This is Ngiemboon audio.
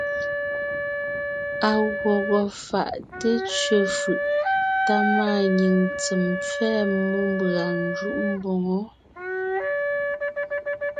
À gwɔgɔ fáʼ té tsẅe fʉʼ tá máanyìŋ tsem pfɛ́ɛ mmó mbʉ̀a ńjúʼ mboŋó.